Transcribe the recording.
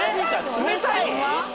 冷たいの！？